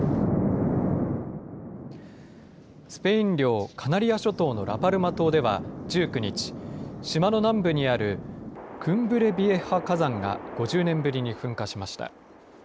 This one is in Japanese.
スペイン領カナリア諸島のラパルマ島では１９日、島の南部にあるクンブレビエハ火山が５０年ぶりに噴火しました。